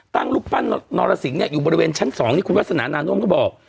ตั้งลูกปั้นนรสิงห์เนี้ยอยู่บริเวณชั้นสองที่คุณวัฒนานานมเขาบอก